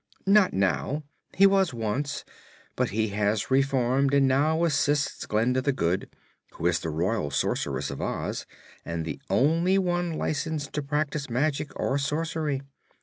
"Not now. He was once, but he has reformed and now assists Glinda the Good, who is the Royal Sorceress of Oz and the only one licensed to practice magic or sorcery.